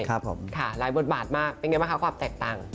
ครับผมค่ะหลายบทบาทมากเป็นไงบ้างคะความแตกต่าง